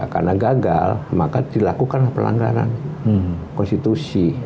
karena gagal maka dilakukan pelanggaran konstitusi